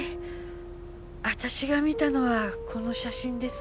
私が見たのはこの写真です。